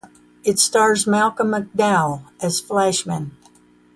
It stars Malcolm McDowell as Flashman.